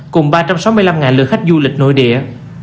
cùng ba trăm sáu mươi năm lượt khách du lịch nội địa